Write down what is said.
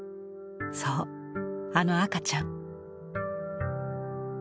そうあの赤ちゃん。